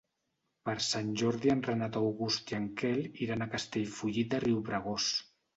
Per Sant Jordi en Renat August i en Quel iran a Castellfollit de Riubregós.